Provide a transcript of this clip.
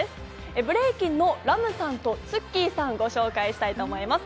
ブレイキンのＲＡＭさんとＴｓｕｋｋｉさんをご紹介したいと思います。